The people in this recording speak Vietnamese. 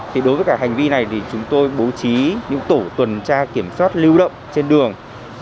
thì đối với cả hành vi này thì chúng tôi bố trí những tổ tuần tra kiểm soát lưu động trên đường